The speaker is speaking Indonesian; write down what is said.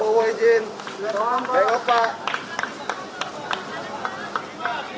outdated jowarujo linksu maka adversing